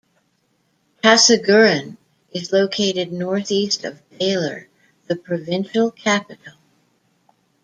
Casiguran is located north-east of Baler, the provincial capital.